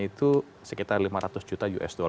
itu sekitar lima ratus juta usd